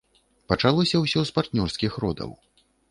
Пачалося ўсё з партнёрскіх родаў.